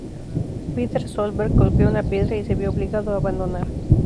Petter Solberg golpeó una piedra y se vio obligado a abandonar.